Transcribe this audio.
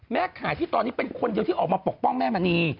ขายที่ตอนนี้เป็นคนเดียวที่ออกมาปกป้องแม่มณี